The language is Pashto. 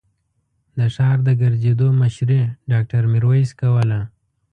د ښار د ګرځېدو مشري ډاکټر ميرويس کوله.